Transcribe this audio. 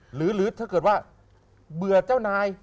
หรือถ้าเกิดว่าเบื่อเจ้านาย